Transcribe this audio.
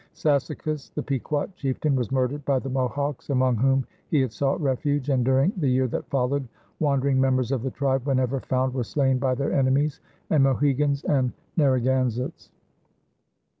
Sassacus, the Pequot chieftain, was murdered by the Mohawks, among whom he had sought refuge; and during the year that followed wandering members of the tribe, whenever found, were slain by their enemies, the Mohegans and Narragansetts.